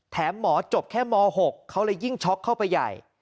หมอจบแค่ม๖เขาเลยยิ่งช็อกเข้าไปใหญ่